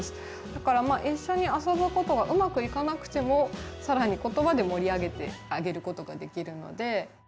だからまあ一緒に遊ぶことがうまくいかなくても更に言葉で盛り上げてあげることができるので。